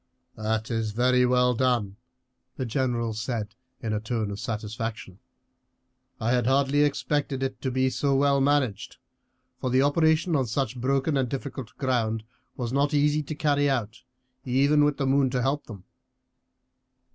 "That is very well done," the general said in a tone of satisfaction. "I had hardly expected it to be so well managed; for the operation on such broken and difficult ground was not easy to carry out, even with the moon to help them."